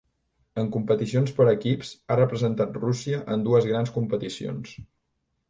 En competicions per equips, ha representat Rússia en dues grans competicions.